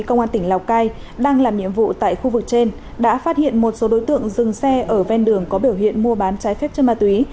công an tỉnh lào cai đang làm nhiệm vụ tại khu vực trên đã phát hiện một số đối tượng dừng xe ở ven đường có biểu hiện mua bán trái phép chân ma túy